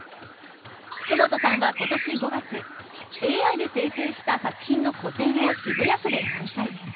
福元さんは、今年５月ＡＩで生成した作品の個展を渋谷区で開催。